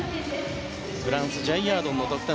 フランスジャイヤードンの得点。